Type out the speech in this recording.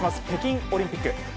北京オリンピック。